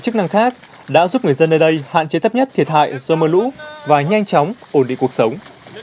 chức năng khác đã giúp người dân nơi đây hạn chế thấp nhất thiệt hại do mưa lũ và nhanh chóng ổn định cuộc sống